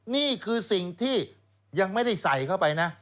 นี่คือสิ่งที่ยังไม่ได้ใส่เข้าไปนะ